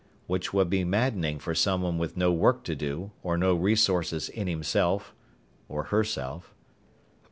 Which would be maddening for someone with no work to do or no resources in himself, or herself.